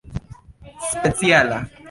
speciala